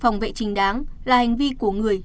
phòng vệ chính đáng là hành vi của người